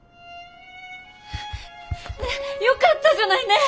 よかったじゃない！ねえ！